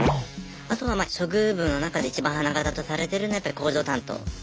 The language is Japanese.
あとは処遇部の中で一番花形とされてるのはやっぱり工場担当。